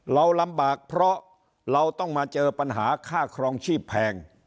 เราลำบากเพราะเราต้องมาเจอปัญหาค่าครองชีพแพง